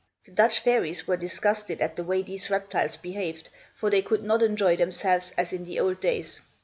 The Dutch fairies were disgusted at the way these reptiles behaved, for they could not enjoy themselves, as in the old days.